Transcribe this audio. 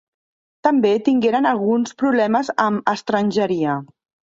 També tingueren alguns problemes amb estrangeria.